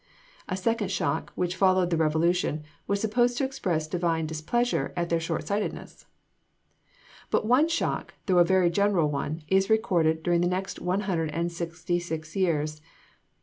A second shock which [Illustration: RUINED DWELLING, CHARLESTON.] followed the revolution was supposed to express the Divine displeasure at their short sightedness. But one shock, though a very general one, is recorded during the next one hundred and sixty six years.